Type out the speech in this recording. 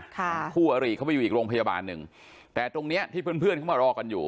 คู่อริเขาไปอยู่อีกโรงพยาบาลหนึ่งแต่ตรงเนี้ยที่เพื่อนเพื่อนเขามารอกันอยู่